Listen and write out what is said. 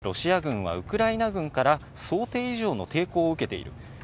ただ、国防総省の高官は、ロシア軍はウクライナ軍から想定以上の抵抗を受けている。